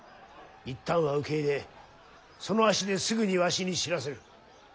一旦は受け入れその足ですぐにわしに知らせる。